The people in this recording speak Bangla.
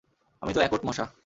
আমি তো একট মশা।